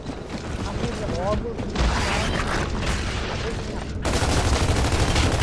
amiḷġuagun sauniq navignaqtuq